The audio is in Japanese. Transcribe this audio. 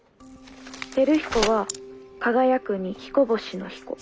輝彦は輝くに彦星の彦。